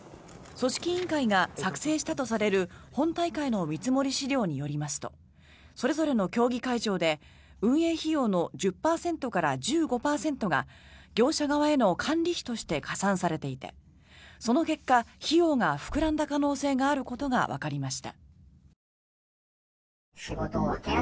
組織委員会が作成したとされる本大会の見積もり資料によりますとそれぞれの競技会場で運営費用の１０％から１５％が業者側への管理費として加算されていてその結果費用が膨らんだ可能性があることがわかりました。